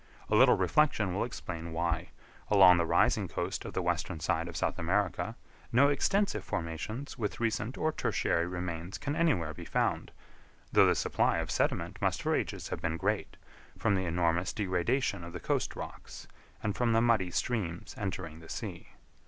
A little reflection will explain why, along the rising coast of the western side of South America, no extensive formations with recent or tertiary remains can anywhere be found, though the supply of sediment must for ages have been great, from the enormous degradation of the coast rocks and from the muddy streams entering the sea.